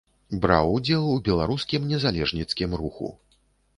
Браў удзел у беларускім незалежніцкім руху.